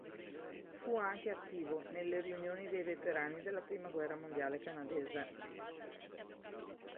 Fu anche attivo nelle riunioni dei veterani della prima guerra mondiale canadese.